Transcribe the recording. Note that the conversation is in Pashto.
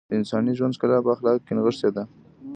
د انساني ژوند ښکلا په اخلاقو کې نغښتې ده .